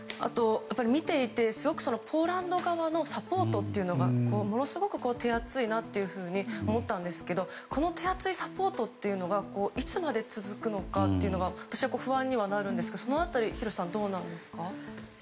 見ていてすごくポーランド側のサポートがものすごく手厚いなと思ったんですけどこの手厚いサポートというのがいつまで続くのかというのが私は不安になるんですがその辺り廣瀬さんどうなんですか？